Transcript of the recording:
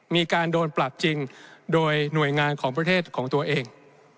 มีการโดนปรับจริงโดยหน่วยงานของประเทศของตัวเอง